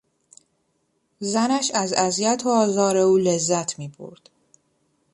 زنش از اذیت و آزار او لذت میبرد.